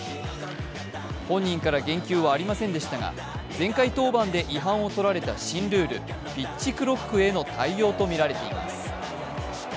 本人から言及はありませんでしたが前回登板で違反をとられた新ルールピッチクロックへの対応とみられています。